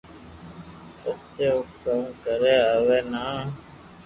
پسي او ڪاوُ ڪري اوي نہ